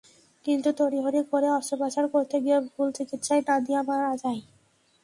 কিন্তু তড়িঘড়ি করে অস্ত্রোপচার করতে গিয়ে ভুল চিকিৎসায় নাদিয়া মারা যায়।